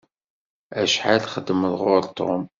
Acḥal txedmeḍ ɣur Tom?